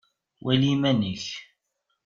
Wali iman-ik.